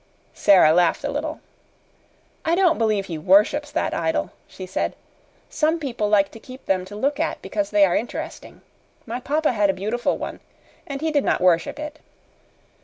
Sara laughed a little. "I don't believe he worships that idol," she said; "some people like to keep them to look at because they are interesting. My papa had a beautiful one, and he did not worship it."